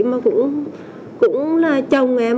mà cũng là chồng em